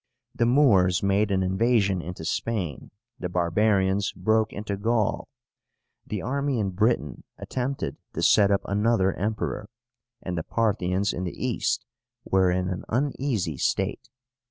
The Moors made an invasion into Spain; the barbarians broke into Gaul; the army in Britain attempted to set up another Emperor; and the Parthians in the East were in an uneasy state.